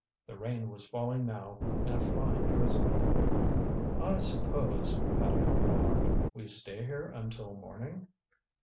The rain was falling now in a fine drizzle. "I suppose," Paddock remarked, "we stay here until morning?"